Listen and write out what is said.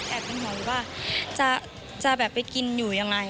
แอบเป็นห่วงว่าจะไปกินอยู่อย่างไร